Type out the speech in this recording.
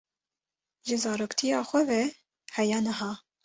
Ji zaroktiya xwe ve heya niha.